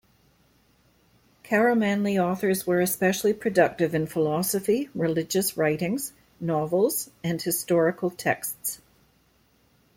Karamanli authors were especially productive in philosophy, religious writings, novels, and historical texts.